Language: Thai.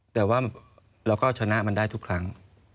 แต่ว่าเราก็ชนะมันได้ทุกครั้ง